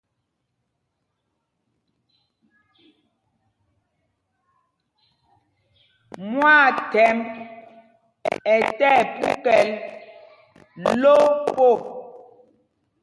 Mwaathɛmb ɛ tí ɛpukɛl lo po.